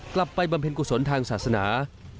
กลับไปบำเพ็ญกุศลทางศาสนา